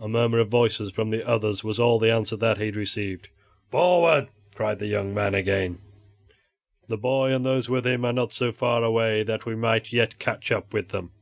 A murmur of voices from the others was all the answer that he received. "Forward!" cried the young man again, "the boy and those with him are not so far away but that we might yet catch up with them."